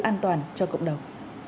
an toàn cho cộng đồng